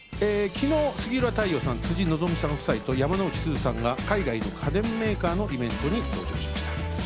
昨日、杉浦太陽さん、辻希美さん夫妻と、山之内すずさんが海外の家電メーカーのイベントに登場しました。